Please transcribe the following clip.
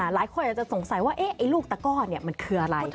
หลายคนอาจจะสงสัยว่าไอ้ลูกตะก้อนมันคืออะไร